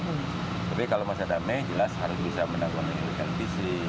tapi kalau masa damai jelas harus bisa menanggung yang lebih kentisi